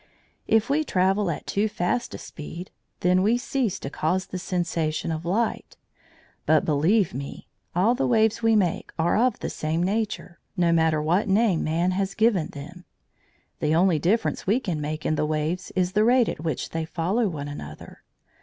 If we travel at too fast a speed, then we cease to cause the sensation of light. But, believe me, all the waves we make are of the same nature, no matter what names man has given them. The only difference we can make in the waves is the rate at which they follow one another.